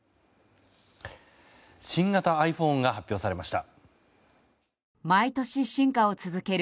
新型ｉＰｈｏｎｅが発表されました。